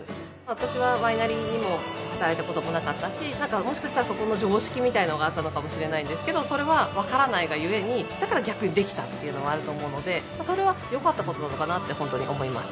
私はワイナリーにも働いたこともなかったしもしかしたらそこの常識みたいなのがあったのかもしれないんですけどそれはわからないがゆえにだから逆にできたというのもあると思うのでそれはよかったことなのかなと本当に思います